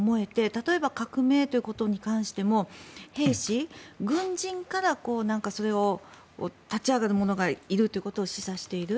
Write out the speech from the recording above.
例えば革命ということに関しても兵士、軍人からそれを立ち上がる者がいるということを示唆している。